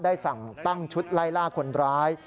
สั่งตั้งชุดไล่ล่าคนร้าย